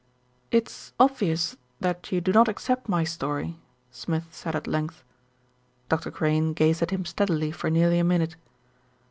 "It is obvious that you do not accept mv story," Smith said at length. Dr. Crane gazed at him steadily for nearly a minute.